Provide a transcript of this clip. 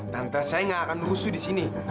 tante saya gak akan berusuh disini